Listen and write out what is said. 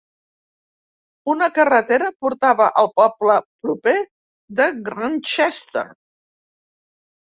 Una carretera portava al poble proper de Grantchester.